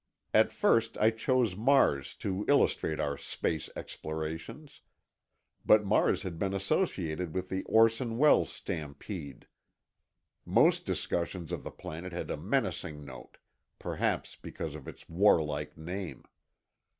At first, I chose Mars to illustrate our space explorations. But Mars had been associated with the Orson Welles stampede. Most discussions of the planet had a menacing note, perhaps because of its warlike name.